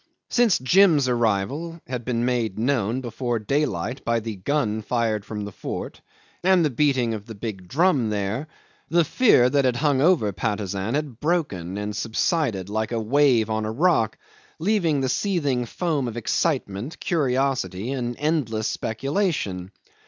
Since Jim's arrival had been made known before daylight by the gun fired from the fort and the beating of the big drum there, the fear that had hung over Patusan had broken and subsided like a wave on a rock, leaving the seething foam of excitement, curiosity, and endless speculation.